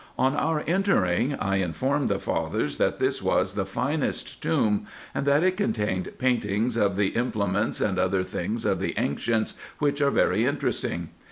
On our entering I informed the fathers that this was the finest tomb, and that it contained paintings of the implements and other things of the ancients, which are very interesting.